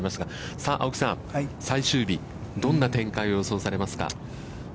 さあ青木さん、最終日、どんな展開を予想されますか。